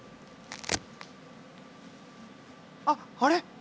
あっあれ？